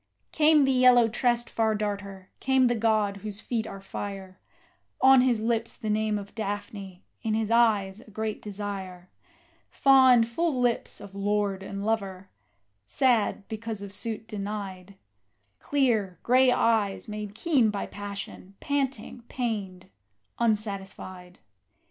Came the yellow tressed Far darter came the god whose feet are fire, On his lips the name of Daphne, in his eyes a great desire; Fond, full lips of lord and lover, sad because of suit denied; Clear, grey eyes made keen by passion, panting, pained, unsatisfied.